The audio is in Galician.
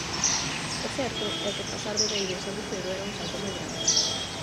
O certo é que pasar de Beiro a Sabucedo era un salto moi grande.